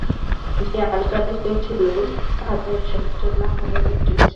যে আলোচনা চলছিল, তা তাঁর সহ্য না হওয়ায় উঠে গেছেন।